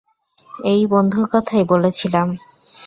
এই বন্ধুর কথাই বলেছিলাম।